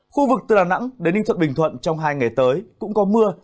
khu vực từ đà nẵng đến ninh thuận bình thuận trong hai ngày tới cũng có mưa